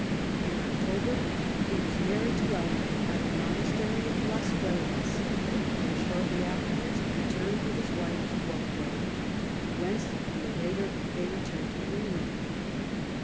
In October he was married to Eleanor at the monastery of Las Huelgas, and shortly afterwards returned with his wife to Bordeaux, whence a year later they returned to England.